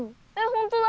本当だ。